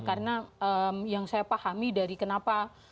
karena yang saya pahami dari kenapa